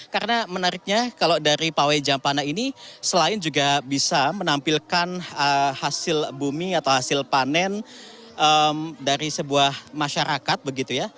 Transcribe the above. karena menariknya kalau dari pawai jampana ini selain juga bisa menampilkan hasil bumi atau hasil panen dari sebuah masyarakat